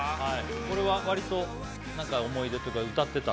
これはわりと何か思い出というか歌ってた？